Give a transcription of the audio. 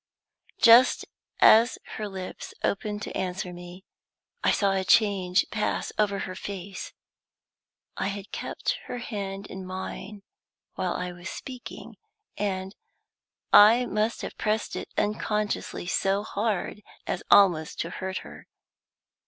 Just as her lips opened to answer me I saw a change pass over her face. I had kept her hand in mine while I was speaking, and I must have pressed it unconsciously so hard as almost to hurt her.